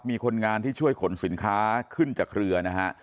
มีคนงานที่ช่วยขนสินค้าขึ้นจากเรือนะฮะ